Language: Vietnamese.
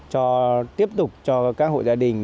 thì tiếp tục cho các hội gia đình